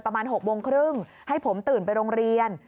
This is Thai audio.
ประมาณ๖โมงครึ่งให้ผมตื่นไปโรงเรียน